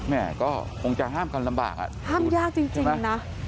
แม่ก็คงจะห้ามกันลำบากอ่ะห้ามยากจริงนะ